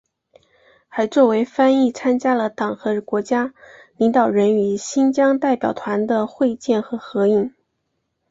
还作为翻译参加了党和国家领导人与新疆代表团的会见和合影。